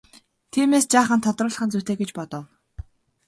Тиймээс жаахан тодруулах нь зүйтэй гэж бодов.